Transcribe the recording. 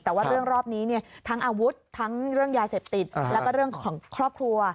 แต่ว่าเรื่องรอบนี้เนี่ยทั้งอาวุธทั้งเรื่องยาเสพติดแล้วก็เรื่องของครอบครัว